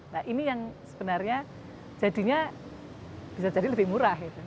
nah ini yang sebenarnya jadinya bisa jadi lebih murah gitu